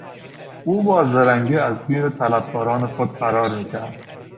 او با زرنگی از گیر طلبکاران خود فرار میکرد.